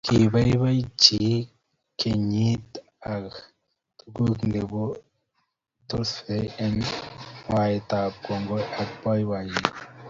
kiboibochinii kenyiit age tugulnebo kotunisieet eng mwaetab kongoi ak boiboiyeet